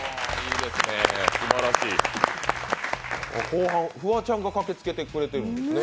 後半、フワちゃんが駆けつけてくれてるんですね。